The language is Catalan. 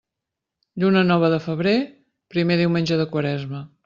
Lluna nova de febrer, primer diumenge de quaresma.